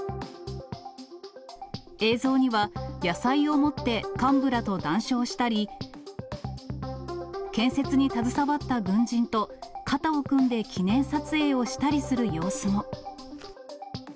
映像には野菜を持って幹部らと談笑したり、建設に携わった軍人と肩を組んで記念撮影をしたりする様子も。